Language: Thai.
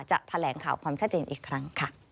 แถลงข่าวความชัดเจนอีกครั้งค่ะ